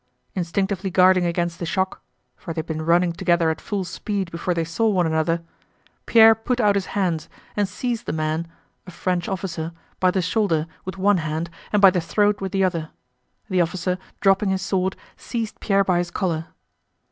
Instinctively guarding against the shock—for they had been running together at full speed before they saw one another—Pierre put out his hands and seized the man (a French officer) by the shoulder with one hand and by the throat with the other. The officer, dropping his sword, seized Pierre by his collar.